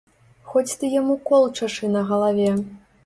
Хоць ты яму кол чашы на галаве!